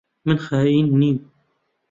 من خائین نیم.